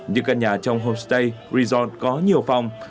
những căn nhà trong homestay resort có nhiều phòng